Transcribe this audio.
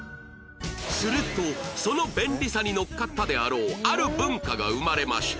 するとその便利さにのっかったであろうある文化が生まれました